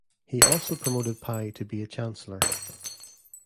He also promoted Pei to be a chancellor.